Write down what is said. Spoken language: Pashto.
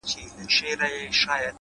هوډ د ستونزو وزن کموي